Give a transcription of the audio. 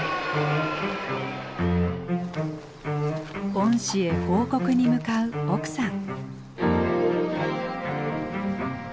・恩師へ報告に向かう奥さん。